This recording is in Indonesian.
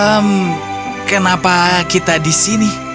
hmm kenapa kita di sini